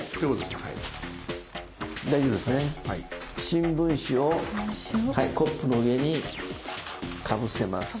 新聞紙をコップの上にかぶせます。